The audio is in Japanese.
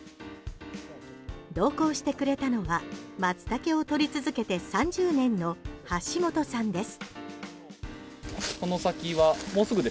同行してくれたのはマツタケを採り続けて３０年の橋本さんです。